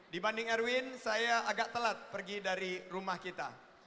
dibanding erwin saya agak telat pergi dari rumah kita